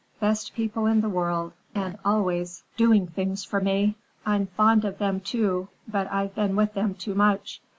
Best people in the world and always doing things for me. I'm fond of them, too, but I've been with them too much.